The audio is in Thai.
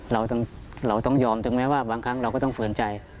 เราต้องยอมถึงแม้ว่าบางครั้งเราก็ต้องฝืนใจ